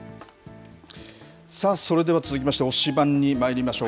さあ、それでは続きまして、推しバン！にまいりましょう。